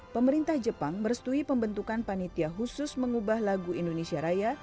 pemerintah jepang merestui pembentukan panitia khusus mengubah lagu indonesia raya